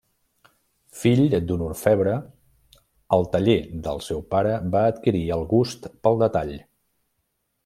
Fill d'un orfebre, al taller del seu pare va adquirir el gust pel detall.